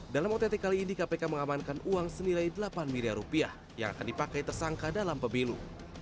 dalam ott kali ini kpk mengamankan uang senilai delapan miliar rupiah yang akan dipakai tersangka dalam pemilu